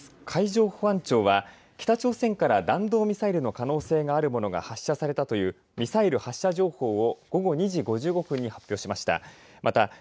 海上保安庁は北朝鮮から弾道ミサイルの可能性があるものが発射されたというミサイル発射情報を午後２時５５分に発表しました。